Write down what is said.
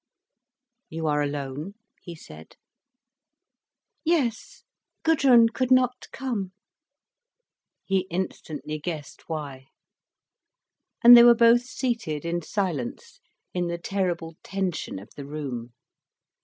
"You are alone?" he said. "Yes—Gudrun could not come." He instantly guessed why. And they were both seated in silence, in the terrible tension of the room.